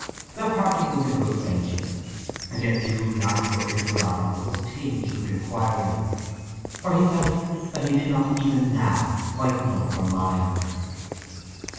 Their parting was in good friendship, and yet Jude's last look into her eyes was tinged with inquiry, for he felt that he did not even now quite know her mind.